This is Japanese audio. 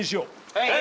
はい！